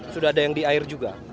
sudah ada yang di air juga